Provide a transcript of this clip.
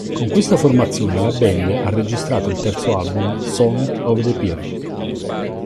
Con questa formazione la band ha registrato il terzo album "Song of the Pearl".